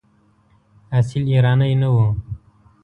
اصیل ایرانی نه وو.